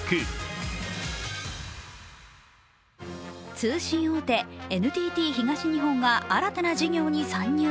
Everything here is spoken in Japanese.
通信大手・ＮＴＴ東日本が新たな事業に参入。